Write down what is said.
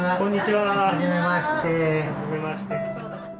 はじめまして。